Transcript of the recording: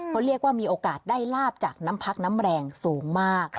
เขาเรียกว่ามีโอกาสได้ลาบจากน้ำพักน้ำแรงสูงมาก